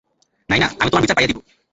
নায়না, আমি তোমার বিচার পাইয়ে দিবো।